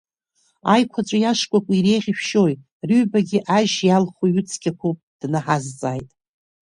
Аиқәаҵәеи ашкәакәеи иреиӷьышәшьои, рыҩбагьы ажь иалху ҩыцқьақәоуп, днаҳазҵааит.